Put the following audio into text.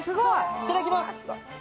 いただきます。